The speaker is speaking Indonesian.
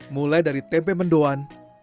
mulai dari tempe mendoan